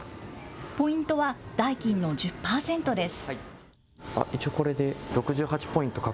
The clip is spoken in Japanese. ポイントは代金の１０％です。